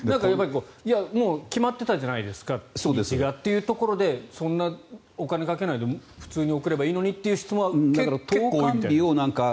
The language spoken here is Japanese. いや、決まっていたじゃないですかっていうところでそんなお金かけないで普通に送ればいいのにという質問は結構多いみたいです。